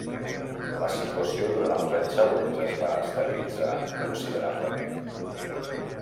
La situació durant els anys següents es va estabilitzar considerablement.